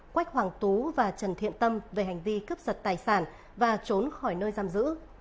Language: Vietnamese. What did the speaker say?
quách hoàng tú và trần thiện tâm về hành vi cướp giật tài sản và trốn khỏi nơi giam giữ